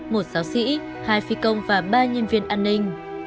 một giáo sĩ hai phi công và ba nhân viên an ninh